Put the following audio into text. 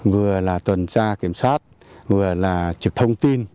vừa là tuần tra kiểm soát vừa là trực thông tin